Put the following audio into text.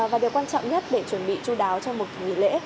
và điều quan trọng nhất để chuẩn bị chú đáo cho một nghỉ lễ